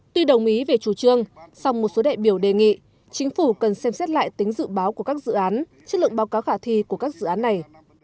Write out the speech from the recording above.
tuy đồng ý về chủ trương song một số đại biểu đề nghị chính phủ cần xem xét lại tính dự báo của các dự án chất lượng báo cáo khả thi của các dự án này